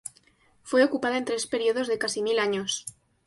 Fue ocupada en tres periodos de casi mil años.